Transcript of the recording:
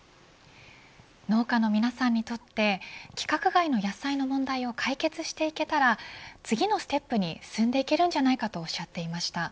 農家の皆さんにとって規格外の野菜の問題を解決していけたら次のステップに進んでいけるんじゃないかとおっしゃっていました。